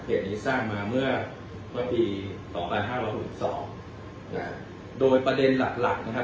เพจนี้สร้างมาเมื่อเมื่อปีต่อปลาห้าหลักหลุ่นสองนะครับโดยประเด็นหลักหลักนะครับ